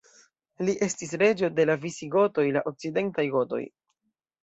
Li estis reĝo de la visigotoj, la okcidentaj gotoj.